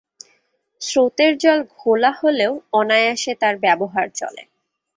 স্রোতের জল ঘোলা হলেও অনায়াসে তার ব্যবহার চলে।